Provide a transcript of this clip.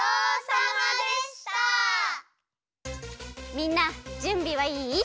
みんなじゅんびはいい？